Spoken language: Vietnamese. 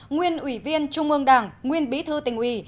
nguyên ủy viên trung ương đảng nguyên bí thư tỉnh ủy